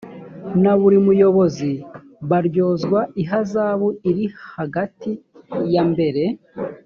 na buri muyobozi baryozwa ihazabu iri hagati yambere